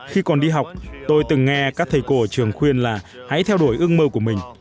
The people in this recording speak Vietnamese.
khi còn đi học tôi từng nghe các thầy cô ở trường khuyên là hãy theo đuổi ước mơ của mình